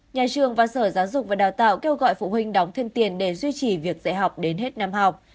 nhà trường và sở giáo dục và đào tạo kêu gọi phụ huynh đóng thêm tiền để duy trì việc dạy học đến hết năm học